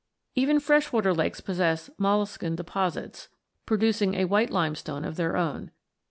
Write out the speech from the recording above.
Even freshwater lakes possess molluscan deposits, producing a white limestone of their own.